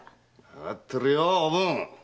わかってるよおぶん。